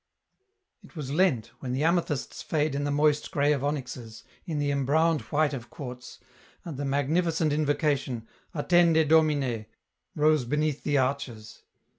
It was Lent, when the amethysts fade in the moist grey of onyxes, in the embrowned white of quartz, and the magnificent invocation, " Attende Domine," rose beneath the arches.